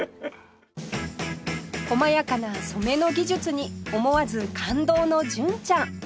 細やかな染めの技術に思わず感動の純ちゃん